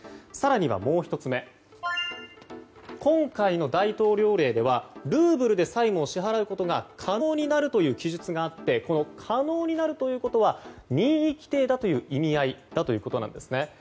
更には、もう１つ今回の大統領令ではルーブルで債務を支払うことが可能になるという記述があって可能になるということは任意規定だという意味合いなんです。